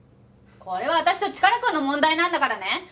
これは私とチカラくんの問題なんだからね。